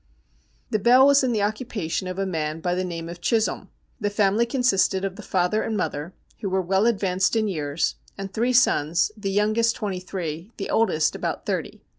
The Bell was in the occupation of a man by the name of Chisholm. The family consisted of the father and mother, who were well advanced in years, and three sons, the youngest twenty three, the oldest about thirty.